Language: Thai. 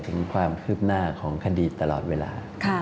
ถึงความคืบหน้าของคดีตลอดเวลา